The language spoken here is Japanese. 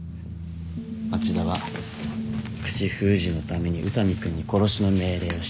町田は口封じのために宇佐美君に殺しの命令をした。